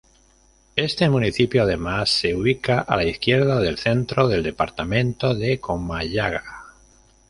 Este municipio además se ubica a la izquierda del centro del departamento de Comayagua.